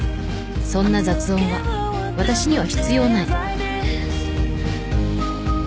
そんな雑音は私には必要ない。